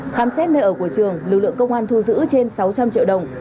khám xét nơi ở của trường lực lượng công an thu giữ trên sáu trăm linh triệu đồng